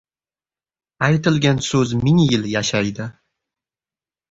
aytilgan so‘z ming yil yashaydi.